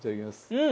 うん！